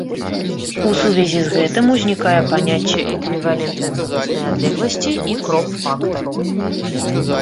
У сувязі з гэтым узнікае паняцце эквівалентнай фокуснай адлегласці і кроп-фактару.